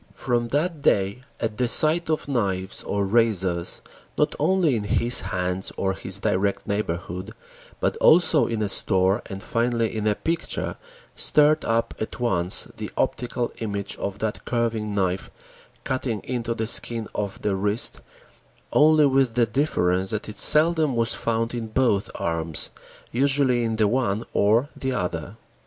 From that day at the sight of knives or razors, not only in his hands or his direct neighborhood, but also in a store and finally in a picture, stirred up at once the optical image of that carving knife cutting into the skin of the wrist, only with the difference that it seldom was found in both arms, usually in the one or the other.